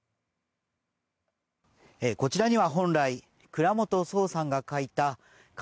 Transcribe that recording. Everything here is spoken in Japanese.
こちらには本来倉本聰さんが書いた悲